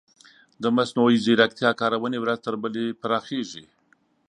د مصنوعي ځیرکتیا کارونې ورځ تر بلې پراخیږي.